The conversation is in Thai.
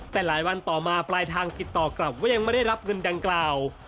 แต่หลายวันต่อมาปลายทางติดต่อกลับว่ายังไม่ได้รับเงินดังกล่าว